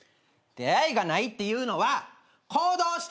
出会いがないっていうのは行動してないだけ！